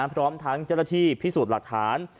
พร้อมทั้งเจ้าหน้าที่พิสูจน์หลักฐาน